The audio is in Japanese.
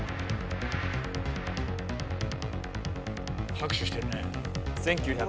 拍手してるね。